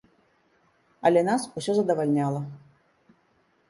Але нас усё задавальняла.